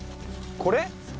これ？